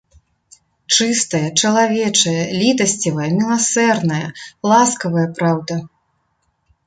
Чыстая, чалавечая, літасцівая, міласэрная, ласкавая праўда.